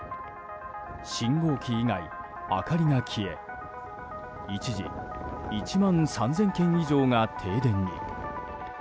信号機以外、明かりが消え一時１万３０００軒以上が停電に。